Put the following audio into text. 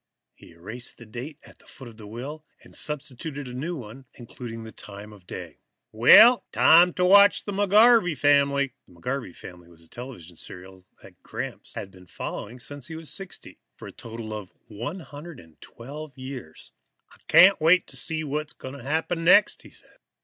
He erased the date at the foot of the will and substituted a new one, including the time of day. "Well time to watch the McGarvey Family." The McGarvey Family was a television serial that Gramps had been following since he was 60, or for a total of 112 years. "I can't wait to see what's going to happen next," he said.